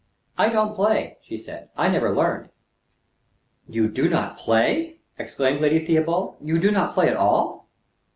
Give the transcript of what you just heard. "I don't play," she said. "I never learned." "You do not play!" exclaimed Lady Theobald. "You do not play at all!"